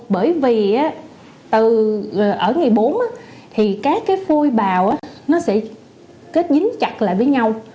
bởi vì ở ngày bốn các phôi bào sẽ kết dính chặt lại với nhau